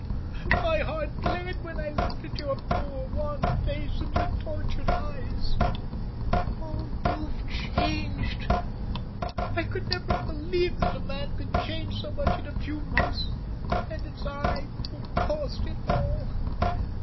My heart bled when I looked at your poor wan face and your tortured eyes. Oh, you've changed. I could never have believed that a man could change so much in so few months, and it's I who've caused it all.